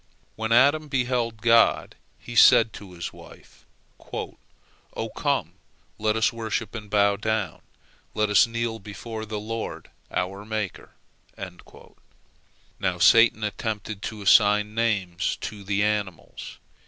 When Adam beheld God, he said to his wife, "O come, let us worship and bow down; let us kneel before the Lord our Maker." Now Satan attempted to assign names to the animals.